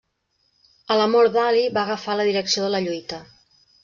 A la mort d'Ali va agafar la direcció de la lluita.